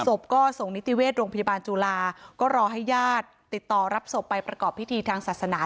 ศพก็ส่งนิติเวชโรงพยาบาลจุฬาก็รอให้ญาติติดต่อรับศพไปประกอบพิธีทางศาสนา